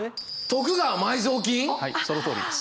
はいそのとおりです。